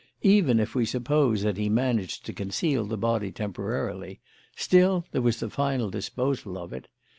Even if we suppose that he managed to conceal the body temporarily, still there was the final disposal of it.